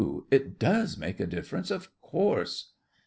It does make a difference, of course.